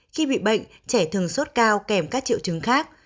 khi bị bệnh trẻ thường sốt cao kèm các triệu chứng khác